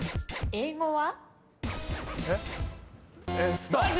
英語は？